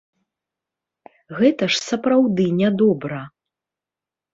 Гэта ж сапраўды нядобра.